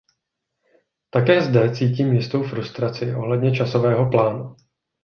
Také zde cítím jistou frustraci ohledně časového plánu.